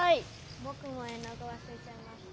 ぼくも絵の具わすれちゃいました。